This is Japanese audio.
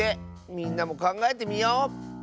みんなもかんがえてみよう！